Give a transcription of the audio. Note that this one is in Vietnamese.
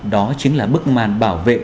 đó chính là bức màn bảo vệ